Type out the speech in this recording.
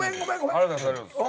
ありがとうございます。